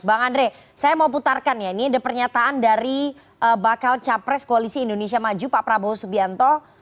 bang andre saya mau putarkan ya ini ada pernyataan dari bakal capres koalisi indonesia maju pak prabowo subianto